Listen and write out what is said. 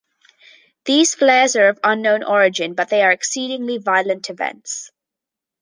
These flares are of unknown origin, but they are exceedingly violent events.